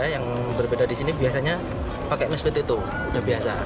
yang berbeda disini biasanya pakai meskipit itu